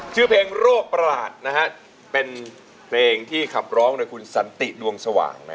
ชื่อเพลงโรคประหลาดเป็นเพลงที่ขับร้องโดยคุณสันติดวงสว่าง